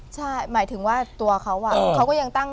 ใช่หมายถึงว่าตัวเขาเขาก็ยังตั้ง